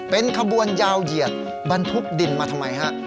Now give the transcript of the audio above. เป็นขบวนยาวเหยียดบรรทุกดินมาทำไมฮะ